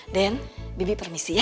dan bibi permisi ya